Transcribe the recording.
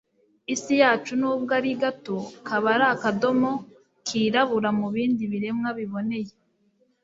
Isi yacu nubwo ari gato, kaba ari akadomo kirabura mu bindi biremwa biboneye,